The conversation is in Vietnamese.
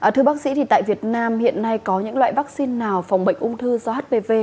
thưa bác sĩ thì tại việt nam hiện nay có những loại vaccine nào phòng bệnh ung thư do hpv